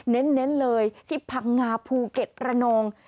เน้นเลยที่พังงาภูเก็ตระนอง